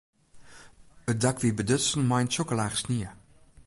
It dak wie bedutsen mei in tsjokke laach snie.